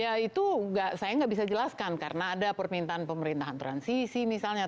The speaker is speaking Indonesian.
ya itu saya nggak bisa jelaskan karena ada permintaan pemerintahan transisi misalnya